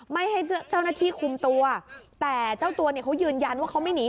ไม่ให้เจ้าหน้าที่คุมตัวแต่เจ้าตัวเนี่ยเขายืนยันว่าเขาไม่หนี